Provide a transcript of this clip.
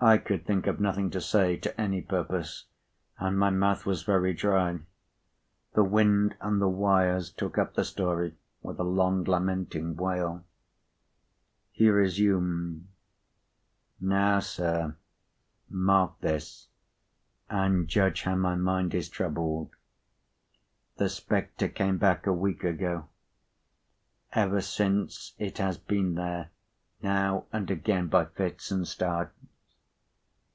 I could think of nothing to say, to any purpose, and my mouth was very dry. The wind and the wires took up the story with a long lamenting wail. He resumed. "Now, sir, mark this, and p. 103judge how my mind is troubled. The spectre came back, a week ago. Ever since, it has been there, now and again, by fits and starts."